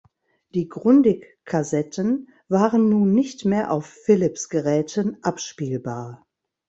Die Grundig-Kassetten waren nun nicht mehr auf Philips-Geräten abspielbar.